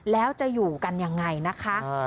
แล้วจะอยู่กันยังไงนะคะ